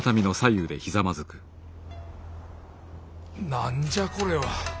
何じゃこれは。